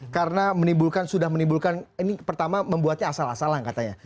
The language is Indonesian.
karena menimbulkan sudah menimbulkan ini pertama membuatnya asal asalan katanya